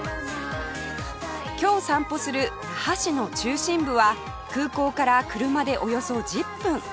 今日散歩する那覇市の中心部は空港から車でおよそ１０分